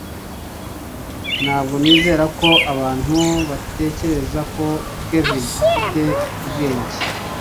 ntabwo nizera ko abantu batekereza ko kevin afite ubwenge